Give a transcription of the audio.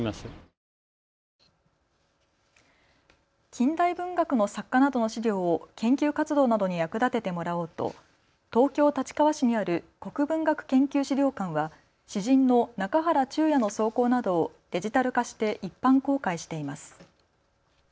近代文学の作家などの資料を研究活動などに役立ててもらおうと東京立川市にある国文学研究資料館は詩人の中原中也の草稿などをデジタル化して一般公開しています。